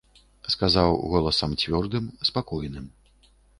Сказаў голасам цвёрдым, спакойным.